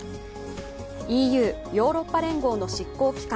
ＥＵ＝ヨーロッパ連合の執行機関